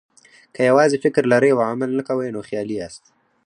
که یوازې فکر لرئ او عمل نه کوئ، نو خیالي یاست.